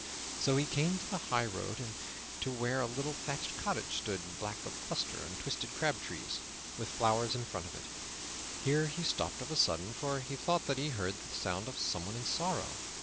So he came to the highroad and to where a little thatched cottage stood back of a cluster of twisted crab trees, with flowers in front of it. Here he stopped of a sudden, for he thought that he heard the sound of someone in sorrow.